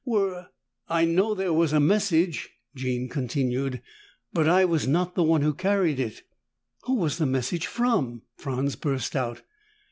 Were ? "I know there was a message," Jean continued, "but I was not the one who carried it." "Who was the message from?" Franz burst out.